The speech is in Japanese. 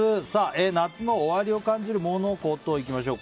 夏の終わりを感じるモノ・コトいきましょう。